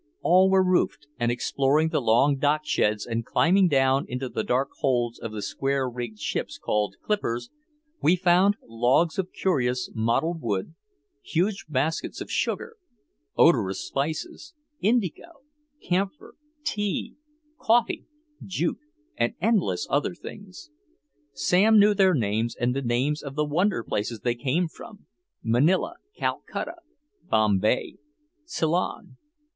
All were roofed, and exploring the long dock sheds and climbing down into the dark holds of the square rigged ships called "clippers," we found logs of curious mottled wood, huge baskets of sugar, odorous spices, indigo, camphor, tea, coffee, jute and endless other things. Sam knew their names and the names of the wonder places they came from Manila, Calcutta, Bombay, Ceylon.